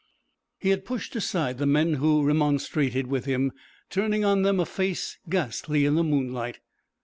He had pushed aside the men who remonstrated with him, turning on them a face ghastly in the moonlight.